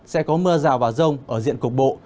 sẽ có mưa rào và rông ở diện cục bộ